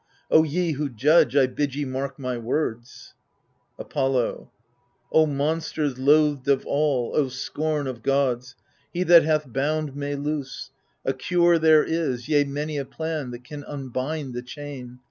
O ye who judge, I bid ye mark my words ! Apollo O monsters loathed of all, O scorn of gods. He that hath bound may loose : a cure there is, Yea, many a plan that can unbind the chain.